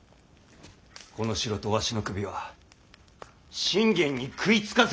この城とわしの首は信玄に食いつかせる餌じゃ。